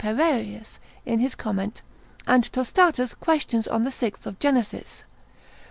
4. Pererius in his comment, and Tostatus questions on the 6th of Gen. Th.